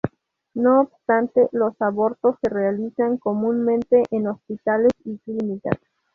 No obstante, los abortos se realizan comúnmente en hospitales y clínicas.